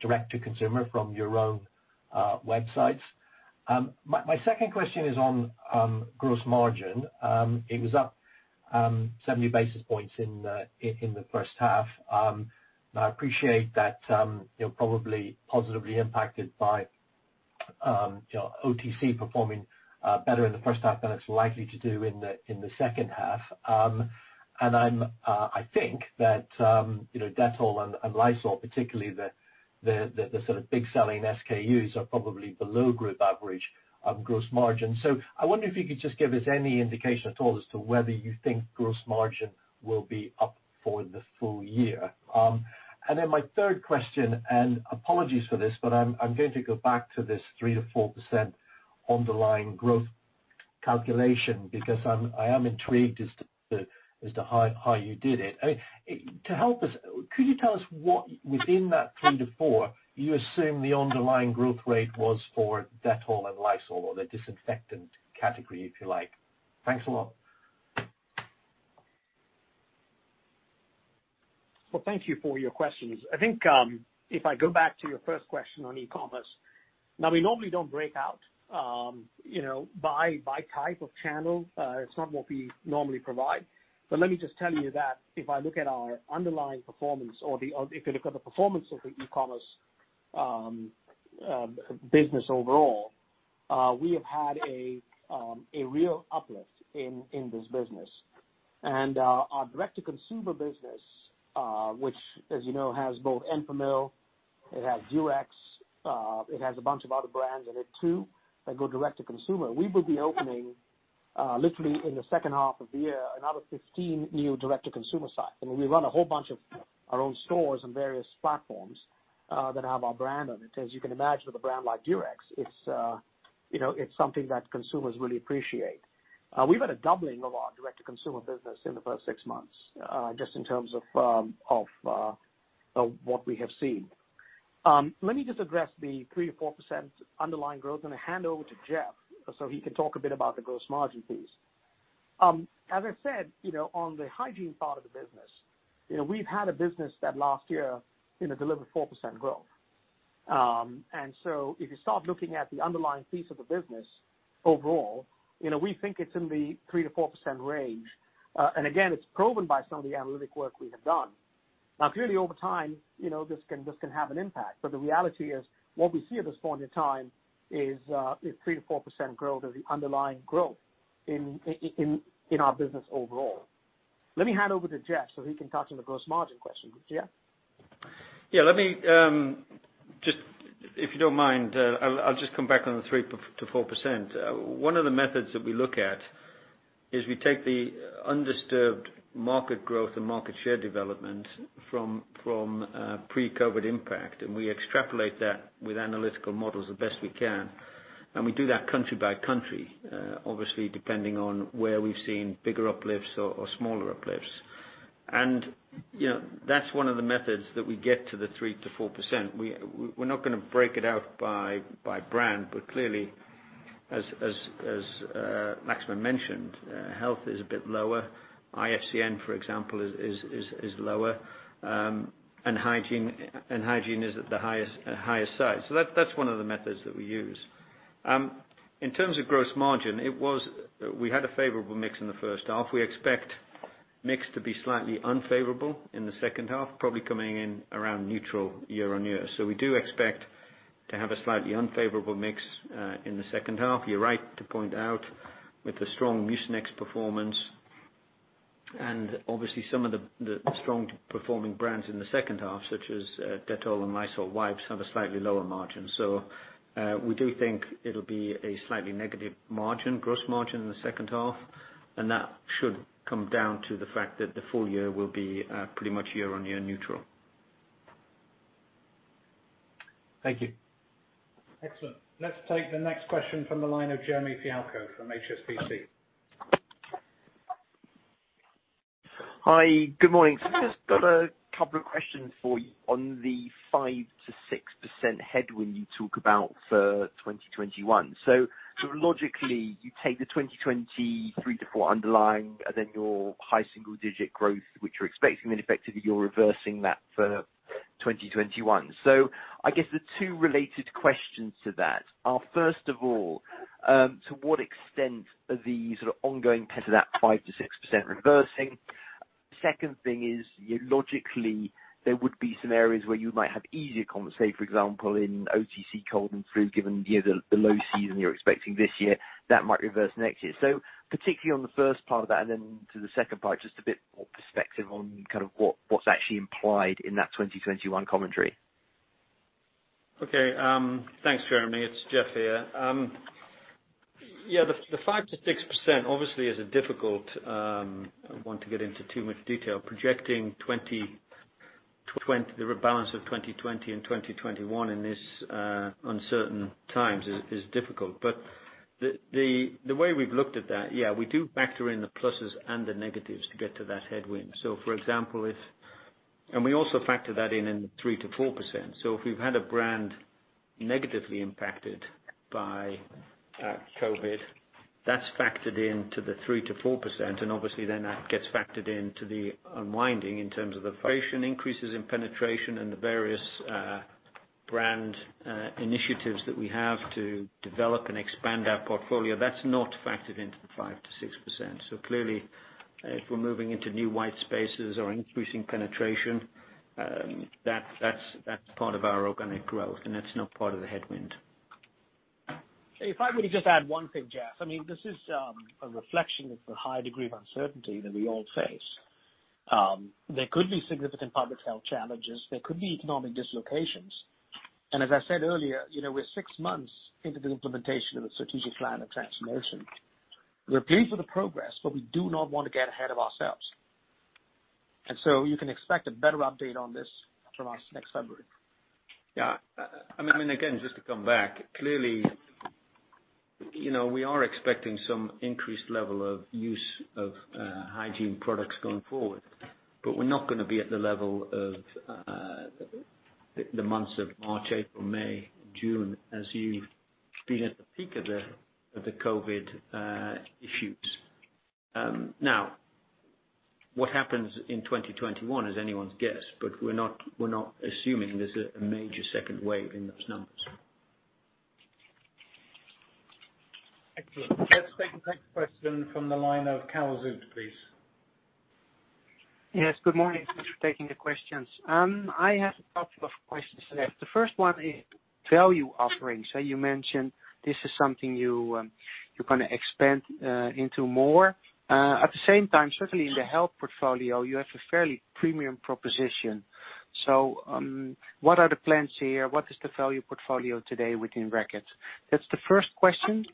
direct-to-consumer from your own websites? My second question is on gross margin. It was up 70 basis points in the first half. I appreciate that you're probably positively impacted by OTC performing better in the first half than it's likely to do in the second half. I think that Dettol and Lysol, particularly, the sort of big-selling SKUs, are probably below group average of gross margin. I wonder if you could just give us any indication at all as to whether you think gross margin will be up for the full year. My third question, and apologies for this, but I am going to go back to this 3%-4% underlying growth calculation, because I am intrigued as to how you did it. To help us, could you tell us what, within that three to four, you assume the underlying growth rate was for Dettol and Lysol or the disinfectant category, if you like. Thanks a lot. Well, thank you for your questions. I think, if I go back to your first question on e-commerce. We normally don't break out by type of channel. It's not what we normally provide. Let me just tell you that if I look at our underlying performance or if you look at the performance of the e-commerce business overall, we have had a real uplift in this business. Our direct-to-consumer business, which, as you know, has both Enfamil, it has Durex, it has a bunch of other brands in it, too, that go direct to consumer. We will be opening, literally in the second half of the year, another 15 new direct-to-consumer sites. I mean, we run a whole bunch of our own stores and various platforms that have our brand on it. As you can imagine, with a brand like Durex, it's something that consumers really appreciate. We've had a doubling of our direct-to-consumer business in the first six months, just in terms of what we have seen. Let me just address the 3%-4% underlying growth, then I hand over to Jeff so he can talk a bit about the gross margin piece. As I said, on the Hygiene part of the business, we've had a business that last year delivered 4% growth. If you start looking at the underlying piece of the business overall, we think it's in the 3%-4% range. Again, it's proven by some of the analytic work we have done. Now, clearly, over time, this can have an impact, but the reality is what we see at this point in time is 3%-4% growth as the underlying growth in our business overall. Let me hand over to Jeff so he can touch on the gross margin question. Jeff? Yeah, let me just, if you don't mind, I'll just come back on the 3%-4%. One of the methods that we look at is we take the undisturbed market growth and market share development from pre-COVID impact, we extrapolate that with analytical models as best we can. We do that country by country, obviously, depending on where we've seen bigger uplifts or smaller uplifts. That's one of the methods that we get to the 3%-4%. We're not going to break it out by brand, clearly, as Laxman mentioned, Health is a bit lower. IFCN, for example, is lower, Hygiene is at the highest side. That's one of the methods that we use. In terms of gross margin, we had a favorable mix in the first half. We expect mix to be slightly unfavorable in the second half, probably coming in around neutral year-on-year. We do expect to have a slightly unfavorable mix in the second half. You're right to point out, with the strong Mucinex performance, and obviously some of the strong-performing brands in the second half, such as Dettol and Lysol wipes, have a slightly lower margin. We do think it'll be a slightly negative gross margin in the second half, and that should come down to the fact that the full year will be pretty much year-on-year neutral. Thank you. Excellent. Let's take the next question from the line of Jeremy Fialko from HSBC. Hi. Good morning. Just got a couple of questions for you on the 5%-6% headwind you talk about for 2021. Logically, you take the 3%-4% underlying, then your high single-digit growth, which you're expecting, then effectively you're reversing that for 2021. I guess the two related questions to that are, first of all, to what extent are the sort of ongoing pent-up 5%-6% reversing? Second thing is, logically, there would be some areas where you might have easier comp, say, for example, in OTC cold and flu, given the low season you're expecting this year, that might reverse next year. Particularly on the first part of that and then to the second part, just a bit more perspective on what's actually implied in that 2021 commentary. Okay. Thanks, Jeremy. It's Jeff here. The 5%-6% obviously I don't want to get into too much detail. Projecting the rebalance of 2020 and 2021 in this uncertain times is difficult. The way we've looked at that, we do factor in the pluses and the negatives to get to that headwind. We also factor that in in the 3%-4%. If we've had a brand negatively impacted by COVID, that's factored into the 3%-4%, obviously then that gets factored into the unwinding in terms of the increases in penetration and the various brand initiatives that we have to develop and expand our portfolio. That's not factored into the 5%-6%. Clearly, if we're moving into new white spaces or increasing penetration, that's part of our organic growth, that's not part of the headwind. If I were to just add one thing, Jeff, this is a reflection of the high degree of uncertainty that we all face. There could be significant public health challenges. There could be economic dislocations. As I said earlier, we're six months into the implementation of the strategic plan of transformation. We're pleased with the progress, we do not want to get ahead of ourselves. You can expect a better update on this from us next February. Yeah. Again, just to come back, clearly, we are expecting some increased level of use of hygiene products going forward, but we're not going to be at the level of the months of March, April, May, and June as you've been at the peak of the COVID issues. Now, what happens in 2021 is anyone's guess, but we're not assuming there's a major second wave in those numbers. Excellent. Let's take the next question from the line of Karel Zoete, please. Yes, good morning. Thanks for taking the questions. I have a couple of questions today. The first one is value offerings. You mentioned this is something you're going to expand into more. At the same time, certainly in the Health portfolio, you have a fairly premium proposition. What are the plans here? What is the value portfolio today within Reckitt? That's the first question.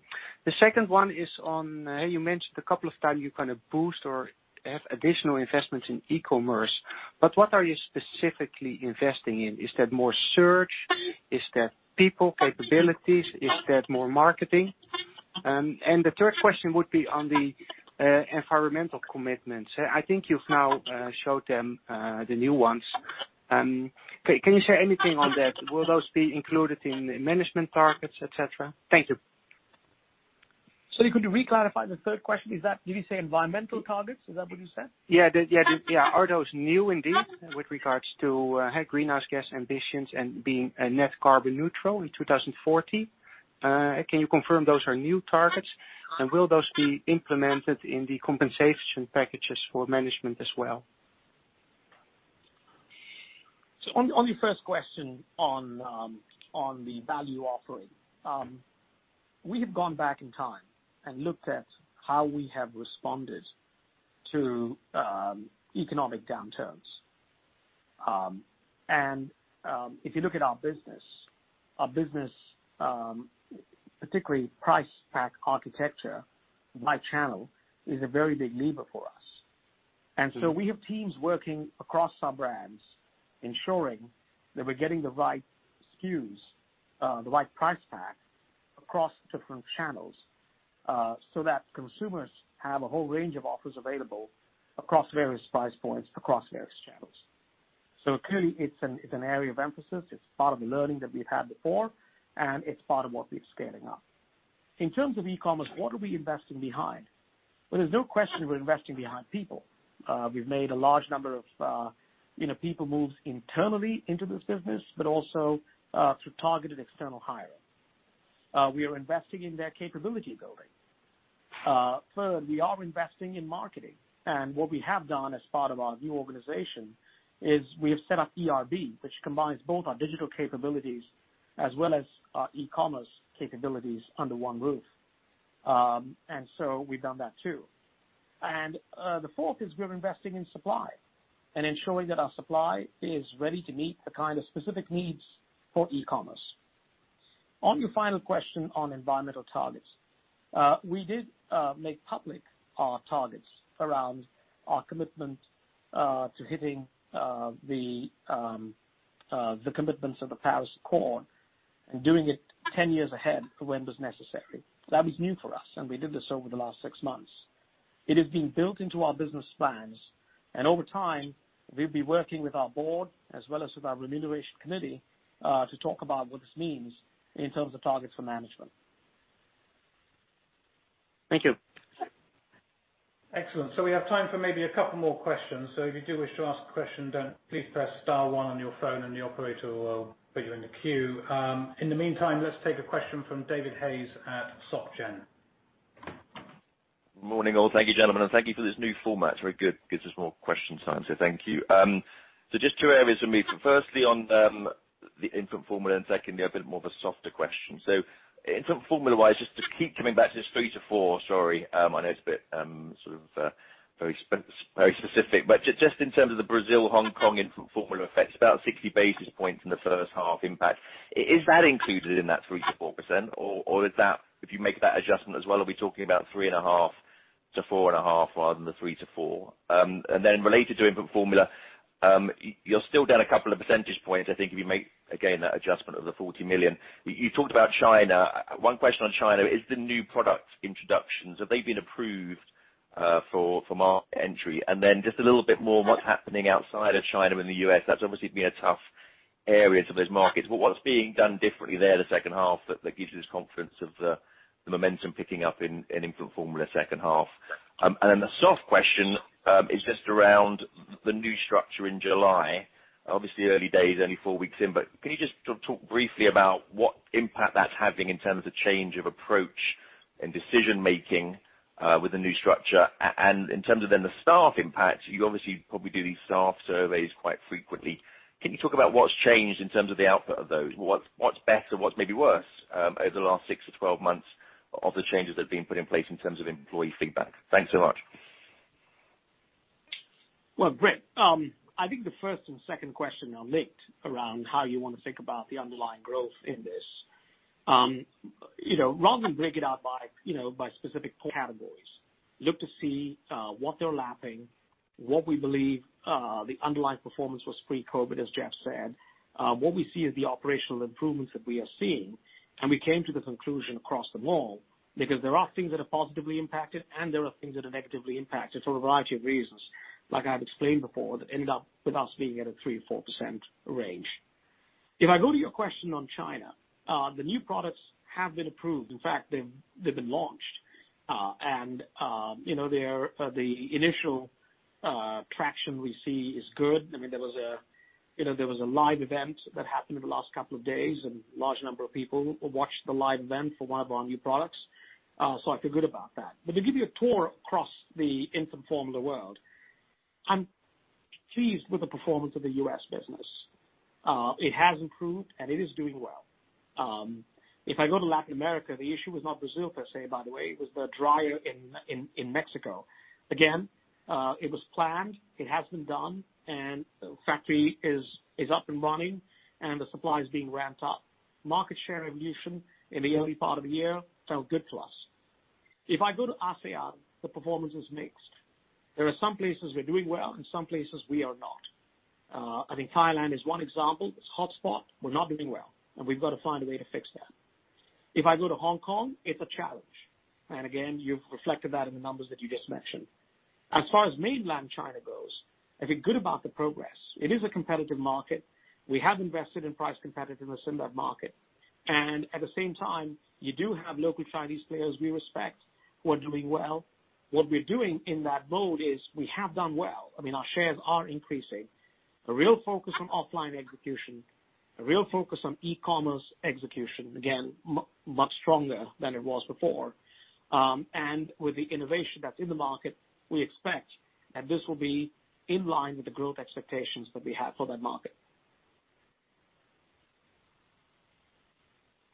The second one is, you mentioned a couple of times you kind of boost or have additional investments in e-commerce. What are you specifically investing in? Is that more search? Is that people capabilities? Is that more marketing? The third question would be on the environmental commitments. I think you've now showed them the new ones. Can you share anything on that? Will those be included in management targets, et cetera? Thank you. Could you re-clarify the third question? Did you say environmental targets? Is that what you said? Yeah. Are those new indeed with regards to greenhouse gas ambitions and being a net carbon neutral in 2040? Can you confirm those are new targets? Will those be implemented in the compensation packages for management as well? On the first question on the value offering. We have gone back in time and looked at how we have responded to economic downturns. If you look at our business, particularly price pack architecture by channel is a very big lever for us. We have teams working across our brands ensuring that we're getting the right SKUs, the right price pack, across different channels, so that consumers have a whole range of offers available across various price points, across various channels. Clearly it's an area of emphasis, it's part of the learning that we've had before, and it's part of what we're scaling up. In terms of e-commerce, what are we investing behind? There's no question we're investing behind people. We've made a large number of people moves internally into this business, but also through targeted external hiring. We are investing in their capability building. Third, we are investing in marketing. What we have done as part of our new organization is we have set up eRB, which combines both our digital capabilities as well as our e-commerce capabilities under one roof. We've done that, too. The fourth is we're investing in supply and ensuring that our supply is ready to meet the kind of specific needs for e-commerce. On your final question on environmental targets, we did make public our targets around our commitment to hitting the commitments of the Paris Agreement and doing it 10 years ahead of when was necessary. That was new for us, and we did this over the last six months. It is being built into our business plans, and over time, we'll be working with our Board as well as with our Remuneration Committee, to talk about what this means in terms of targets for management. Thank you. Excellent. We have time for maybe a couple more questions, so if you do wish to ask a question, please press star one on your phone and the operator will put you in the queue. In the meantime, let's take a question from David Hayes at SocGen. Morning all. Thank you, gentlemen, and thank you for this new format. It's very good. Gives us more question time, thank you. Just two areas for me. Firstly, on the infant formula, and secondly, a bit more of a softer question. Infant formula-wise, just keep coming back to this 3%-4%. Sorry. I know it's a bit sort of very specific, but just in terms of the Brazil, Hong Kong infant formula effects, about 60 basis points in the first half impact. Is that included in that 3%-4%? If you make that adjustment as well, are we talking about 3.5%-4.5% rather than the 3%-4%? Related to infant formula, you're still down a couple of percentage points, I think, if you make, again, that adjustment of the 40 million. You talked about China. One question on China, is the new product introductions, have they been approved for market entry? Just a little bit more what's happening outside of China in the U.S. That's obviously been a tough area for those markets, but what's being done differently there the second half that gives you this confidence of the momentum picking up in infant formula second half? The soft question is just around the new structure in July. Obviously early days, only four weeks in, but can you just talk briefly about what impact that's having in terms of change of approach and decision making with the new structure? In terms of then the staff impact, you obviously probably do these staff surveys quite frequently. Can you talk about what's changed in terms of the output of those? What's better, what's maybe worse over the last 6-12 months of the changes that have been put in place in terms of employee feedback? Thanks so much. Well, Brit, I think the first and second question are linked around how you want to think about the underlying growth in this. Rather than break it out by specific categories, look to see what they're lapping, what we believe the underlying performance was pre-COVID, as Jeff said. What we see is the operational improvements that we are seeing, and we came to the conclusion across the board because there are things that are positively impacted and there are things that are negatively impacted for a variety of reasons, like I've explained before, that ended up with us being at a 3%-4% range. If I go to your question on China, the new products have been approved. In fact, they've been launched. The initial traction we see is good. There was a live event that happened in the last couple of days, and a large number of people watched the live event for one of our new products. I feel good about that. To give you a tour across the infant formula world, I'm pleased with the performance of the U.S. business. It has improved, and it is doing well. If I go to Latin America, the issue was not Brazil, per se, by the way, it was the dryer in Mexico. Again, it was planned, it has been done, and the factory is up and running, and the supply is being ramped up. Market share evolution in the early part of the year felt good to us. If I go to ASEAN, the performance is mixed. There are some places we're doing well and some places we are not. I think Thailand is one example. It's a hotspot. We're not doing well, and we've got to find a way to fix that. If I go to Hong Kong, it's a challenge. Again, you've reflected that in the numbers that you just mentioned. As far as mainland China goes, I feel good about the progress. It is a competitive market. We have invested in price competitiveness in that market. At the same time, you do have local Chinese players we respect who are doing well. What we're doing in that mode is we have done well. Our shares are increasing. A real focus on offline execution, a real focus on e-commerce execution. Again, much stronger than it was before. With the innovation that's in the market, we expect that this will be in line with the growth expectations that we have for that market.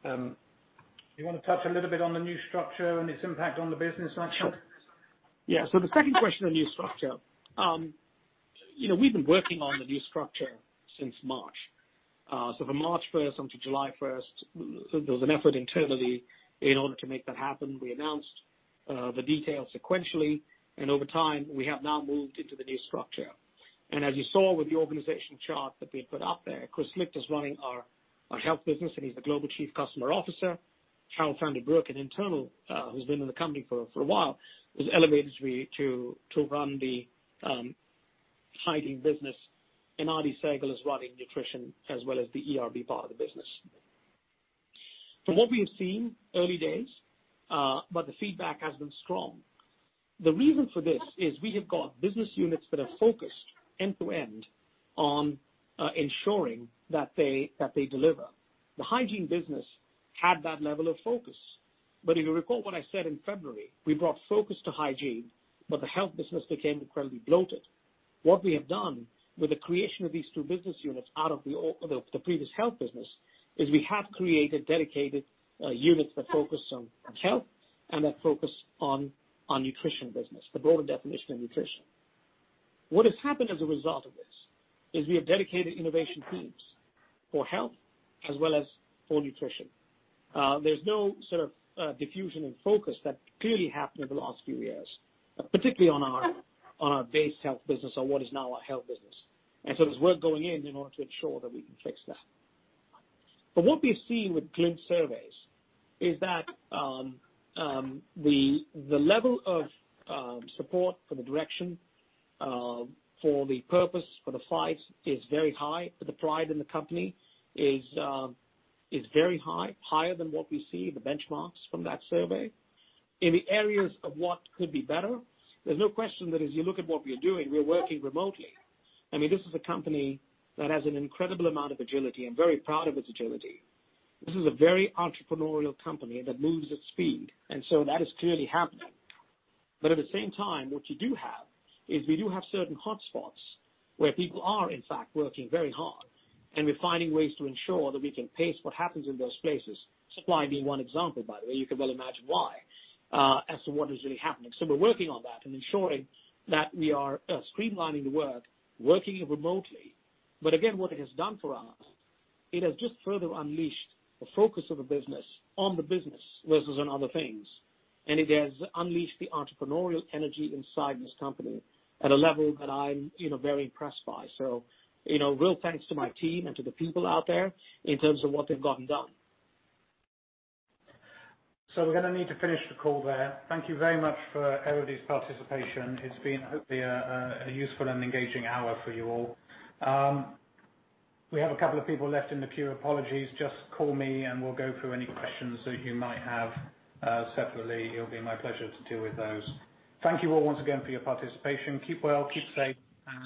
You want to touch a little bit on the new structure and its impact on the business, structure? Sure. Yeah, the second question on new structure. We've been working on the new structure since March. From March 1st until July 1st, there was an effort internally in order to make that happen. We announced the details sequentially, and over time, we have now moved into the new structure. As you saw with the organization chart that we put up there, Kris Licht is running our Health business, and he's the Global Chief Customer Officer. Harold van den Broek, an internal who's been in the company for a while, was elevated to run the Hygiene business. Adi Sehgal is running Nutrition as well as the eRB part of the business. From what we have seen, early days, but the feedback has been strong. The reason for this is we have got business units that are focused end-to-end on ensuring that they deliver. The Hygiene business had that level of focus. If you recall what I said in February, we brought focus to Hygiene, but the Health business became incredibly bloated. What we have done with the creation of these two business units out of the previous Health business is we have created dedicated units that focus on Health and that focus on our Nutrition business, the broader definition of Nutrition. What has happened as a result of this is we have dedicated innovation teams for Health as well as for Nutrition. There's no sort of diffusion in focus that clearly happened over the last few years, particularly on our base Health business or what is now our Health business. There's work going in in order to ensure that we can fix that. What we're seeing with Glint surveys is that the level of support for the direction, for the purpose, for the fight is very high. The pride in the company is very high, higher than what we see in the benchmarks from that survey. In the areas of what could be better, there's no question that as you look at what we're doing, we're working remotely. This is a company that has an incredible amount of agility. I'm very proud of its agility. This is a very entrepreneurial company that moves at speed, and so that is clearly happening. At the same time, what you do have is we do have certain hotspots where people are, in fact, working very hard, and we're finding ways to ensure that we can pace what happens in those places. Supply being one example, by the way. You can well imagine why as to what is really happening. We're working on that and ensuring that we are streamlining the work, working remotely. Again, what it has done for us, it has just further unleashed the focus of the business on the business versus on other things. It has unleashed the entrepreneurial energy inside this company at a level that I'm very impressed by. Real thanks to my team and to the people out there in terms of what they've gotten done. We're going to need to finish the call there. Thank you very much for everybody's participation. It's been hopefully a useful and engaging hour for you all. We have a couple of people left in the queue. Apologies. Just call me, and we'll go through any questions that you might have separately. It'll be my pleasure to deal with those. Thank you all once again for your participation. Keep well, keep safe,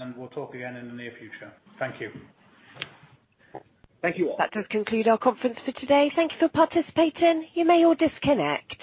and we'll talk again in the near future. Thank you. Thank you all. That does conclude our conference for today. Thank you for participating. You may all disconnect.